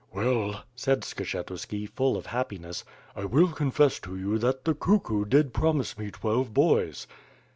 "Well/' said Skshetuski full of happiness, "I will confess to you that the cuckoo did promise me twelve boys."